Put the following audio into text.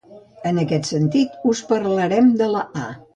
I en aquest sentit us parlarem de la a.